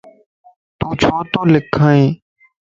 تون ڇو تو لکائين؟